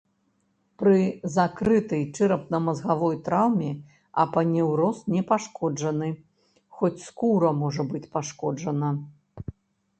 Пры закрытай чэрапна-мазгавой траўме апанеўроз не пашкоджаны, хоць скура можа быць пашкоджана.